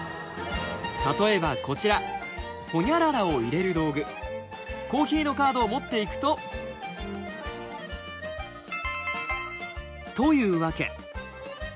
例えばこちら「コーヒー」のカードを持っていくと。というわけ。